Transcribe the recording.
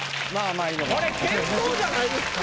これ健闘じゃないですか。